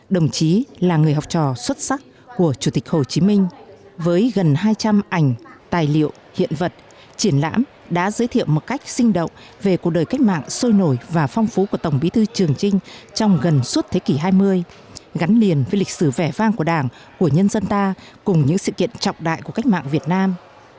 đồng chí là người học trò xuất sắc của chủ tịch hồ chí minh với gần hai trăm linh ảnh tài liệu hiện vật triển lãm đã giới thiệu một cách sinh động về cuộc đời cách mạng sôi nổi và phong phú của tổng bí thư trường trinh trong gần suốt thế kỷ hai mươi gắn liền với lịch sử vẻ vang của đảng của nhân dân ta cùng những sự kiện trọng đại của cách mạng việt nam